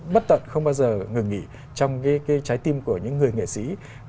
bất tận không bao giờ ngừng nghỉ trong cái trái tim của những người nghệ sĩ